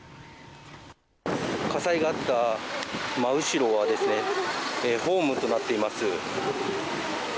火災があった真後ろはホームとなっています。